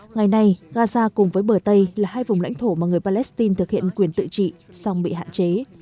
ngày nay gaza cùng với bờ tây là hai vùng lãnh thổ mà người palestine thực hiện quyền tự trị song bị hạn chế